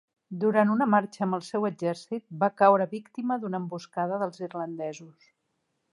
Durant una marxa amb el seu exèrcit va caure víctima d'una emboscada dels irlandesos.